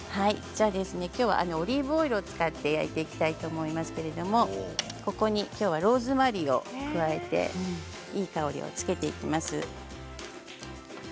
きょうはオリーブオイルを使って焼いていきたいと思いますけれどもここにローズマリーを加えていい香りをつけていきます。